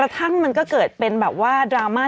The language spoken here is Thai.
ทั้งมันก็เกิดเป็นแบบว่าดราม่า